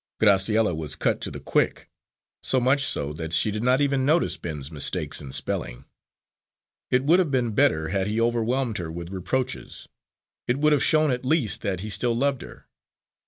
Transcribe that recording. Graciella was cut to the quick, so much so that she did not even notice Ben's mistakes in spelling. It would have been better had he overwhelmed her with reproaches it would have shown at least that he still loved her.